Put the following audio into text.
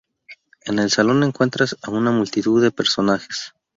En el salón encuentras a una multitud de personajes.